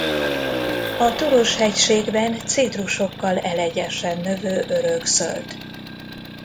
A Toros-hegységben cédrusokkal elegyesen növő örökzöld.